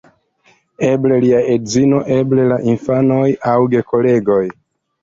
Eble lia edzino, eble la infanoj aŭ gekolegoj.